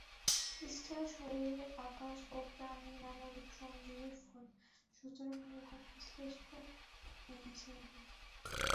স্থূল শরীর আকাশ ও প্রাণের নানারূপ সংযোগের ফল, সুতরাং উহা বিশ্লিষ্ট হইয়া যাইবে।